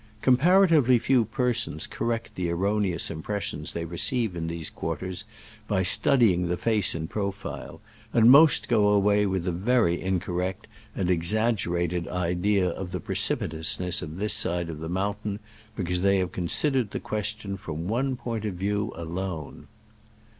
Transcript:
Comparatively few persons correct the erroneous impressions they receive in these quarters by studying the face in profile, and most go away with a very incorrect and exaggerated idea of the precipitousness of this side of the mountain, because they have considered the question from one point of view alone.